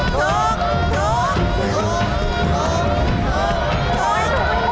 โอ๊ยถูกได้หมดเลย